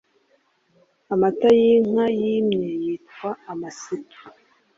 Amata y’Inka yimye yitwa Amasitu